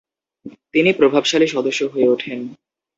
তিনি প্রভাবশালী সদস্য হয়ে ওঠেন।